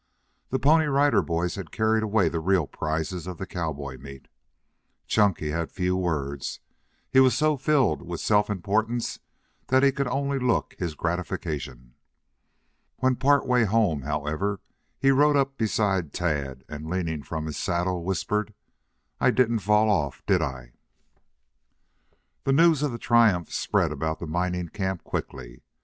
The Pony Rider Boys had carried away the real prizes of the cowboy meet. Chunky had few words. He was so filled with self importance that he could only look his gratification. When part way home, however, he rode up beside Tad, and leaning from his saddle, whispered, "I didn't fall off, did I?" The news of triumph spread about the mining camp quickly.